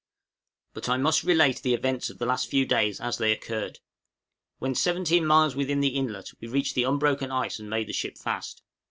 But I must relate the events of the last few days as they occurred. When 17 miles within the inlet we reached the unbroken ice and made the ship fast.